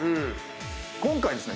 今回ですね